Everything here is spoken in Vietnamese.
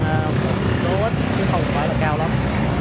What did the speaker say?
một số ít chứ không phải là cao lắm